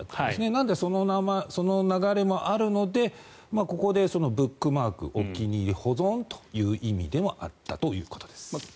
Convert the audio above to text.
なので、その流れもあるのでここでブックマークお気に入り、保存という意味でもあったということです。